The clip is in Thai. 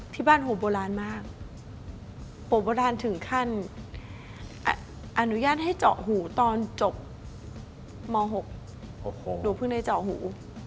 ที่บ้านโหโบราณมากโหบโบราณถึงขั้นอนุญาตให้เจาะหูตอนจบม๖หนูเพิ่งได้เจาะหู